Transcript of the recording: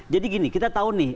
jadi gini kita tahu nih